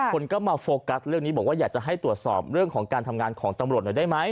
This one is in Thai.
คนก็มาโฟกัสเรื่องนี้บอกว่าอยากจะให้ตรวจสอบเรื่องของการทำงานของตำรวจหน่อยได้ไหม